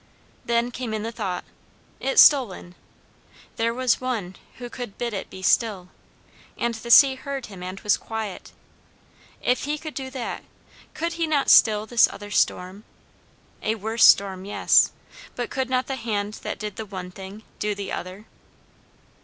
Then came in the thought it stole in "There was One who could bid it be still and the sea heard him and was quiet. If he could do that, could he not still this other storm? A worse storm, yes; but could not the hand that did one thing do the other?"